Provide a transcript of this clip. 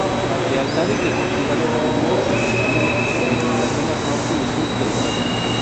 Lealtades deportivas a menudo se divide entre las zonas norte y sur del estado.